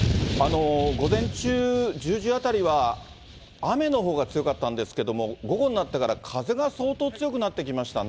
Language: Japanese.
午前中１０時あたりは、雨のほうが強かったんですけれども、午後になってから風が相当強くなってきましたね。